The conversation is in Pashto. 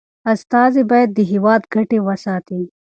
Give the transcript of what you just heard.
استازي باید د هیواد ګټي وساتي.